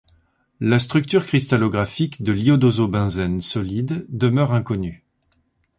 La structure cristallographique de l'iodosobenzène solide demeure inconnue.